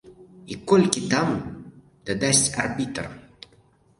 І колькі там дадасць арбітр.